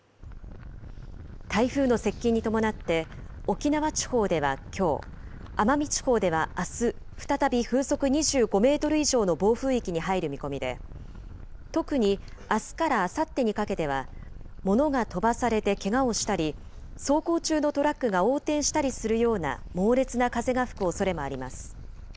台風の接近に伴って、沖縄地方ではきょう、奄美地方ではあす、再び風速２５メートル以上の暴風域に入る見込みで、特にあすからあさってにかけては、物が飛ばされてけがをしたり、走行中のトラックが横転したりするような猛烈な風が吹くおそれもあります。